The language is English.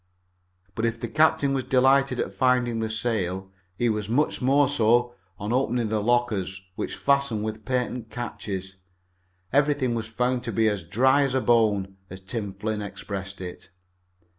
But if the captain was delighted at finding the sail, he was much more so when, on opening the lockers, which fastened with patent catches, everything was found to be as "dry as a bone," as Tim Flynn expressed it.